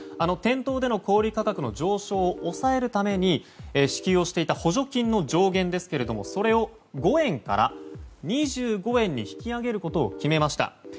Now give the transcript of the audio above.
店頭での小売価格の上昇を抑えるために支給をしていた補助金の上限ですがそれを５円から２５円に引き上げることを決めました。